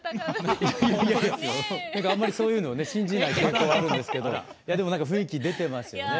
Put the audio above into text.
あんまりそういうのをね信じない傾向あるんですけどいやでも何か雰囲気出てますよね。